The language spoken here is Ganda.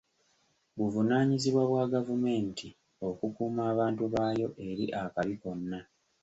Buvunaanyizibwa bwa gavumenti okukuuma abantu baayo eri akabi konna.